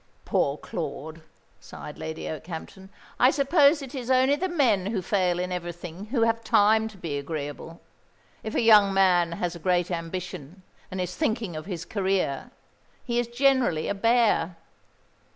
"Poor Claude," sighed Lady Okehampton. "I suppose it is only the men who fail in everything who have time to be agreeable. If a young man has a great ambition, and is thinking of his career, he is generally a bear.